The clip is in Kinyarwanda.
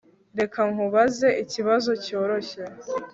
Reka nkubaze ikibazo cyoroshye